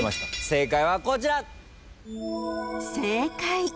正解はこちら。